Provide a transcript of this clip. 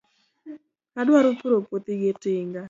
Adwaro puro puothi gi tinga.